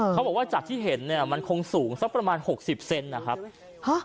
เขาบอกว่าจากที่เห็นเนี่ยมันคงสูงสักประมาณหกสิบเซนนะครับฮะ